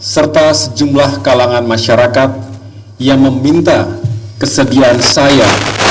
serta sejumlah kalangan masyarakat yang meminta kesediaan saya